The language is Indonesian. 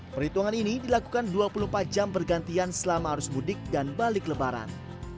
perhitungan ini dilakukan dua puluh empat jam bergantian selama arus mudik dan balik lebaran